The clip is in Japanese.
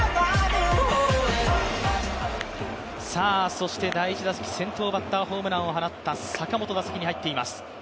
そして第１打席先頭バッターホームランを放った坂本が先に入っています。